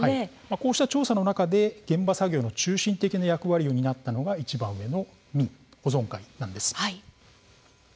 こうした調査の中で現場作業の中心的な役割を担ったのが民、保存会です。